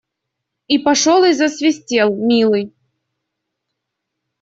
И пошел и засвистел, милый.